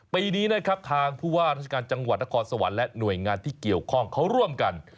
ปีนี้นะครับทางผู้ว่าราชการจังหวัดนครสวรรค์และหน่วยงานที่เกี่ยวข้องเขาร่วมกัน